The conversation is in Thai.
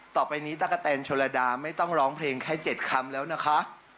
ต่อไปนี้ตะกะแตนโชลดาไม่ต้องร้องเพลงแค่๗คำแล้วนะคะ